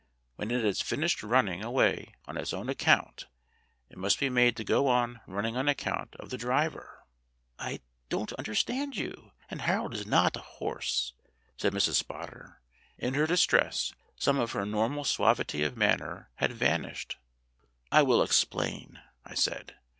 When it has finished running away on its own account it must be made to go on running on account of the driver." "I don't understand you; and Harold is not a horse," said Mrs. Spotter. In her distress some of her normal suavity of manner had vanished. "I will explain," I said.